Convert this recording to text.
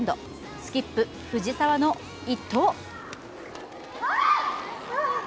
スキップ・藤澤の一投。